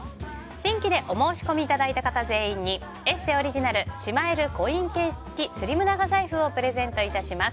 新規でお申し込みいただいた方全員に「ＥＳＳＥ」オリジナルしまえるコインケース付きスリム長財布をプレゼントいたします。